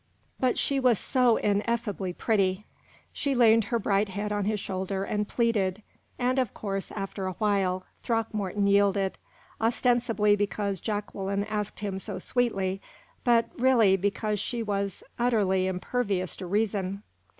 But she was so ineffably pretty she leaned her bright head on his shoulder and pleaded and, of course, after a while, Throckmorton yielded, ostensibly because Jacqueline asked him so sweetly, but really because she was utterly impervious to reason.